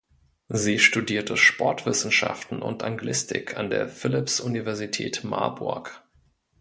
Sie studierte Sportwissenschaften und Anglistik an der Philipps-Universität Marburg.